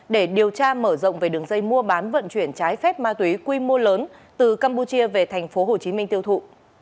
để điều tra mở rộng về đường dây mua bán vận chuyển trái phép ma túy quy mô lớn từ campuchia về tp hcm tiêu thụ